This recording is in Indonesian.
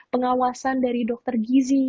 pengawasan dari dokter gizi